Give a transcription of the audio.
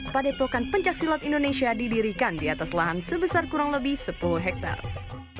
padepokan pencaksilat indonesia didirikan di atas lahan sebesar kurang lebih sepuluh hektare